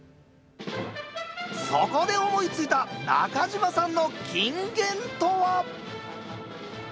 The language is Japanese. そこで思いついた中島さんの金言とは。